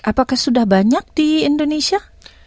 apakah sudah banyak di indonesia